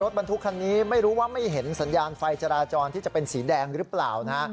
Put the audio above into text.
บรรทุกคันนี้ไม่รู้ว่าไม่เห็นสัญญาณไฟจราจรที่จะเป็นสีแดงหรือเปล่านะฮะ